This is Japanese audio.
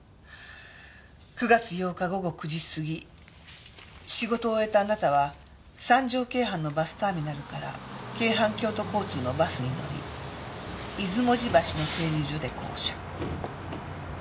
９月８日午後９時過ぎ仕事を終えたあなたは三条京阪のバスターミナルから京阪京都交通のバスに乗り出雲路橋の停留所で降車。